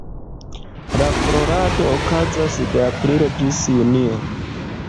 La florado okazas de aprilo ĝis junio.